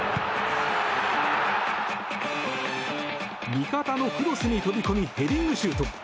味方のクロスに飛び込みヘディングシュート。